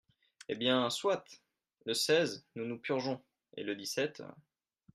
Eh bien, soit !… le seize, nous nous purgeons… et le dix-sept…